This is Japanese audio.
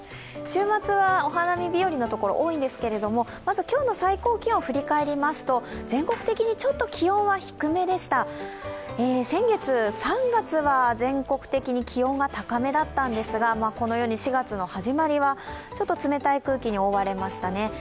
週末はお花見日和の所多いんですけれどもまず今日の最高気温を振り返りますと、全国的にちょっと気温は低めでしたぁ先月３月は全国的に気温が高めだったんですがこのように４月の始まりはちょっと冷たい空気に覆われましたね。